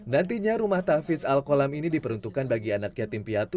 nantinya rumah tafis al kolam ini diperuntukkan bagi anak yatim piatu